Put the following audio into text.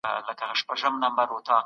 د نورو توهین مه کوئ.